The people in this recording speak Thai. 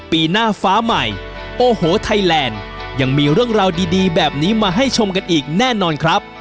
ปีหน้าฟ้าใหม่โอ้โหไทยแลนด์ยังมีเรื่องราวดีแบบนี้มาให้ชมกันอีกแน่นอนครับ